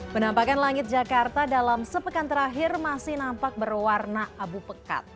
penampakan langit jakarta dalam sepekan terakhir masih nampak berwarna abu pekat